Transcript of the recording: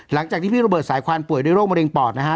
หลังจากที่พี่โรเบิร์ตสายควันป่วยด้วยโรคมะเร็งปอดนะฮะ